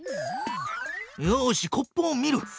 よしコップを見る！